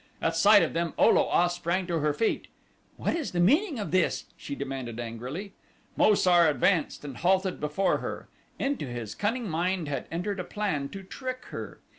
At sight of them O lo a sprang to her feet. "What is the meaning of this?" she demanded angrily. Mo sar advanced and halted before her. Into his cunning mind had entered a plan to trick her.